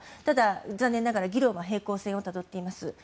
ただ、残念ながら議論は平行線をたどっています。